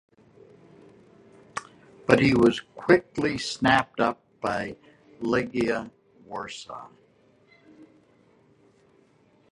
But he was quickly snapped up by Legia Warsaw.